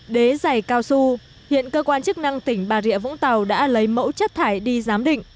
đế dày cao su hiện cơ quan chức năng tỉnh bà rịa vũng tàu đã lấy mẫu chất thải đi giám định